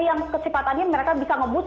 yang kesifatannya mereka bisa ngeboost